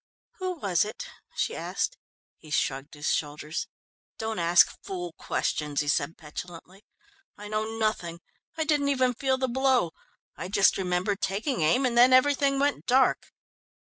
"Who was it?" she asked. He shrugged his shoulders. "Don't ask fool questions," he said petulantly. "I know nothing. I didn't even feel the blow. I just remember taking aim, and then everything went dark."